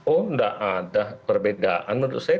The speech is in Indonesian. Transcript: oh tidak ada perbedaan menurut saya